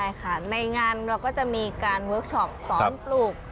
ใช่ค่ะในงานเราก็จะมีการเวิร์คชอปสอนปลูก